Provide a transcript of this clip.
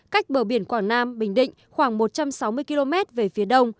cách bờ biển quảng nam bình định khoảng một trăm sáu mươi km về phía đông